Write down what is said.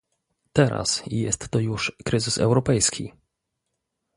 Teraz jest to już kryzys europejski